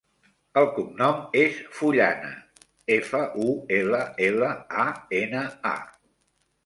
El cognom és Fullana: efa, u, ela, ela, a, ena, a.